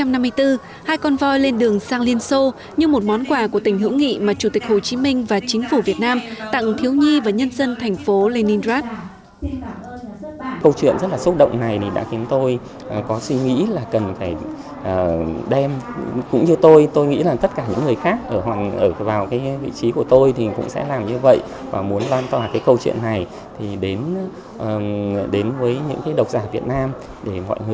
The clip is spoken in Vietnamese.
năm một nghìn chín trăm năm mươi bốn hai con voi lên đường sang liên xô như một món quà của tỉnh hữu nghị mà chủ tịch hồ chí minh và chính phủ việt nam tặng thiếu nhi và nhân dân thành phố leningrad